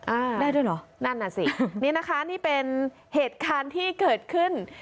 อ่าได้ด้วยเหรอนั่นน่ะสินี่นะคะนี่เป็นเหตุการณ์ที่เกิดขึ้น